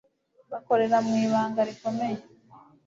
bakorera mu ibanga rikomeye